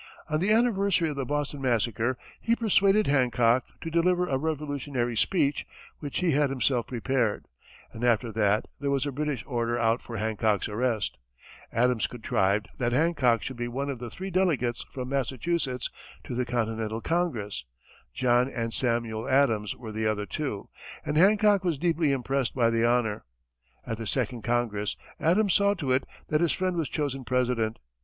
On the anniversary of the Boston massacre, he persuaded Hancock to deliver a revolutionary speech, which he had himself prepared, and after that there was a British order out for Hancock's arrest; Adams contrived that Hancock should be one of the three delegates from Massachusetts to the Continental Congress John and Samuel Adams were the other two and Hancock was deeply impressed by the honor; at the second Congress, Adams saw to it that his friend was chosen President.